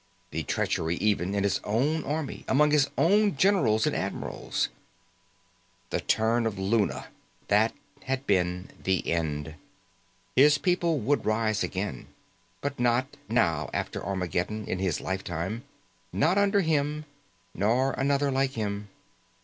The treachery even in his own army, among his own generals and admirals. The turn of Luna, that had been the end. His people would rise again. But not, now after Armageddon, in his lifetime. Not under him, nor another like him.